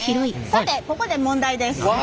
さてここで問題です。